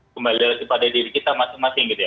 kembali lagi kepada diri kita masing masing gitu ya